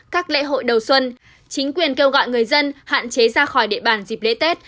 các lễ hội đầu xuân chính quyền kêu gọi người dân hạn chế ra khỏi địa bàn dịp lễ tết